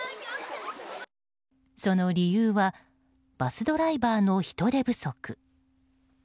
その理由はバスドライバーの人手不足。